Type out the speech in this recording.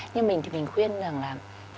nhưng mình thì mình khuyên rằng là